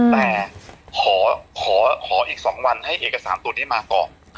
แต่ขออีก๒วันให้เอกสารตัวนี้มาก่อน